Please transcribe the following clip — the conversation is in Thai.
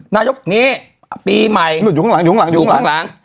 นายกนี้ปีใหม่หลุดอยู่ข้างหลังอยู่ข้างหลังอยู่ข้างหลัง